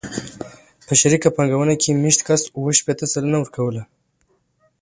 په شریکه پانګونه کې مېشت کس اوه شپېته سلنه ورکوله